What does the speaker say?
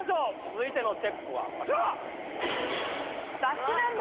続いてのチェックはこちら！